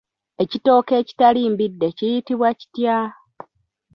Ekitooke ekitali mbidde kiyitibwa kitya?